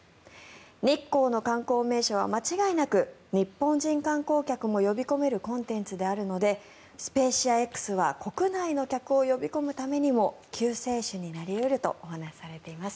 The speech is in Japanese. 日光の観光名所は間違いなく日本人観光客も呼び込めるコンテンツであるのでスペーシアＸは国内の客を呼び込むためにも救世主になり得るとお話しされています。